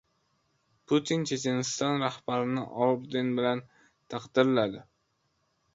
Putin Checheniston rahbarini orden bilan taqdirladi